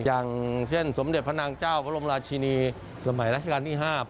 อย่างเส้นสมเด็จพระนางเจ้าพระบรมราชินีสมัยราชการที่๕